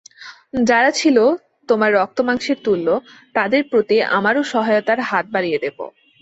যারা ছিল তোমার রক্তমাংসের তুল্য, তাদের প্রতি আমরাও সহায়তার হাত বাড়িয়ে দেব।